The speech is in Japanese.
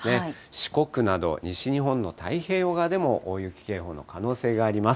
四国など西日本の太平洋側でも大雪警報の可能性があります。